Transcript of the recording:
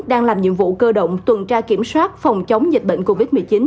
đang làm nhiệm vụ cơ động tuần tra kiểm soát phòng chống dịch bệnh covid một mươi chín